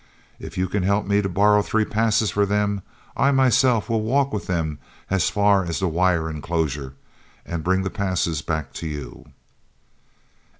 If you can help me to borrow three passes for them, I myself will walk with them as far as the wire enclosure and bring the passes back to you."